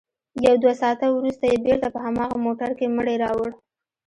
يو دوه ساعته وروسته يې بېرته په هماغه موټر کښې مړى راوړ.